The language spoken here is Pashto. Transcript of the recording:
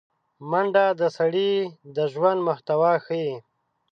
منډه د سړي د ژوند محتوا ښيي